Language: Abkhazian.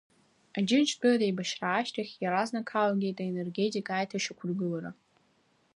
Аџьынџьтәылатә еибашьра ашьҭахь иаразнак ҳалагеит аенергетика аиҭашьақәыргылара.